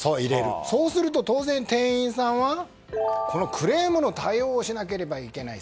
そうすると当然、店員さんはクレームの対応をしなきゃいけない。